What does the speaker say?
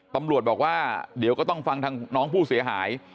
ตำรวจบอกว่าเดี๋ยวก็ต้องฟังทางน้องผู้เสียหาย